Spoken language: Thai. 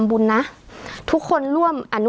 ไม่ใช่แค่โดน